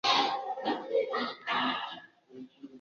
tarehe mbili mwezi mei mwaka huu wa elfu mbili na kumi na moja